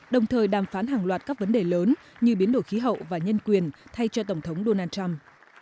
đồng thời đàm phán hàng loạt các vấn đề lớn như biến đổi khí hậu và nhân quyền thay cho tổng thống donald trump